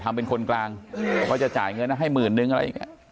เป็นคนกลางเขาจะจ่ายเงินให้หมื่นนึงอะไรอย่างนี้